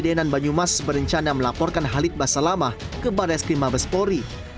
danan banyumas berencana melaporkan halit basa lama kepada eskrimabespori